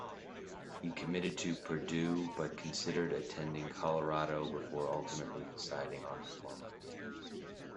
He committed to Purdue, but considered attending Colorado before ultimately deciding on the former.